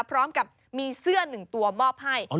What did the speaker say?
พร้อมกับมีเสื้อหนึ่งตัวมอบให้